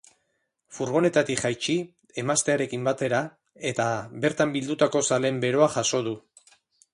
Furgonetatik jaitsi, emaztearekin batera, eta bertan bildutako zaleen beroa jaso du.